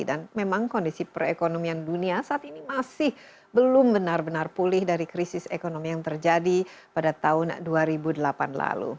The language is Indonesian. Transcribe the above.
dan memang kondisi perekonomian dunia saat ini masih belum benar benar pulih dari krisis ekonomi yang terjadi pada tahun dua ribu delapan lalu